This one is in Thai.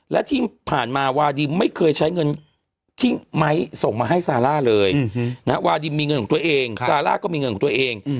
และที่ผ่านมาวาดิมไม่เคยใช้เงินที่ไม้ส่งมาให้ซาร่าเลยวาดิมมีเงินของตัวเองซาร่าก็มีเงินของตัวเอง